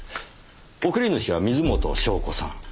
送り主は水元湘子さん。